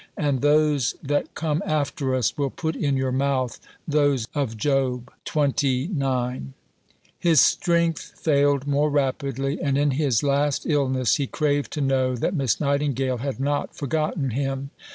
and those that come after us will put in your mouth those of Job, xxix." His strength failed more rapidly; and in his last illness he craved to know that Miss Nightingale had not forgotten him.